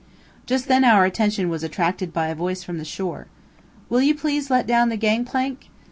Just then our attention was attracted by a voice from the shore. "Will you please let down the gang plank?"